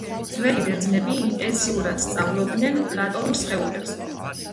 ძველი ბერძნები ინტენსიურად სწავლობდნენ პლატონურ სხეულებს.